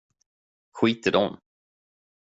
Skit i dem.